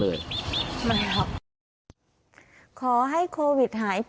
เคยสบายนั่งคุยพี่น้อง